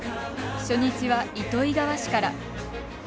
初日は糸魚川市から。